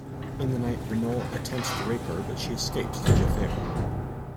In the night, Renault attempts to rape her, but she escapes to Jaffeir.